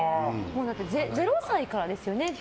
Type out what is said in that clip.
０歳からですよね。